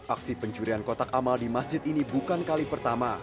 aksi pencurian kotak amal di masjid ini bukan kali pertama